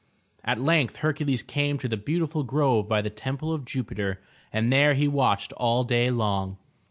At length Her cules came to the beautiful grove by the Temple of Jupiter and there he watched all day long.